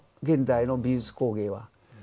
現代の美術工芸は。